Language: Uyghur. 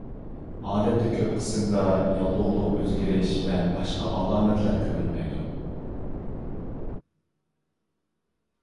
ئادەتتە كۆپ قىسىمدا ياللۇغلۇق ئۆزگىرىش ۋە باشقا ئالامەتلەر كۆرۈلمەيدۇ.